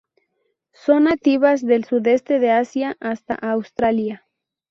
Son nativas del sudeste de Asia hasta Australia.